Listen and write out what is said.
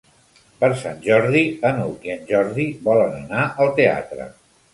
Per Sant Jordi n'Hug i en Jordi volen anar al teatre.